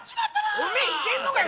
お前いけんのかよ！